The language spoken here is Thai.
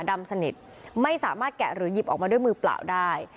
ดำสนิทไม่สามารถแกะหรือหยิบออกมาด้วยมือเปล่าได้